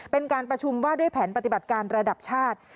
เป็นการประชุมว่าด้วยแผนปฏิบัติการระดับชาติ